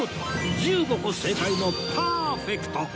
１５個正解のパーフェクト